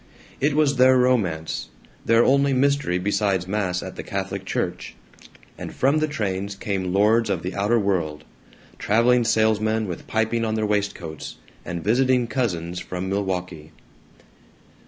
It was their romance; their only mystery besides mass at the Catholic Church; and from the trains came lords of the outer world traveling salesmen with piping on their waistcoats, and visiting cousins from Milwaukee.